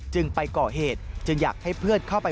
ไปก่อเหตุจึงอยากให้เพื่อนเข้าไป